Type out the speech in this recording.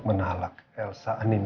ternyata nggak darum dia